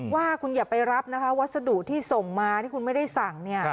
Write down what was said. ว่าคุณอย่าไปรับนะคะวัสดุที่ส่งมาที่คุณไม่ได้สั่ง